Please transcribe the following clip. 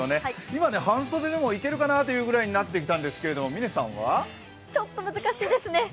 今半袖でもいけるかなというぐらいになってきたんですがちょっと難しいです。